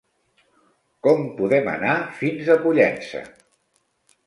Com podem anar fins a Pollença?